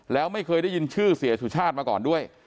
แล้วไม่เคยได้ยินชื่อเสียสุชาติมาก่อนด้วย